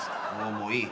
もういい。